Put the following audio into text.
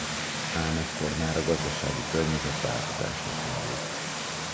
Ám ekkor már a gazdasági környezet változásnak indult.